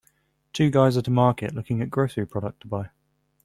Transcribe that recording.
Two guys at a market looking at grocery product to buy